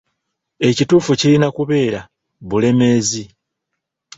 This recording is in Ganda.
Ekituufu kirina kubeera 'Bulemeezi.'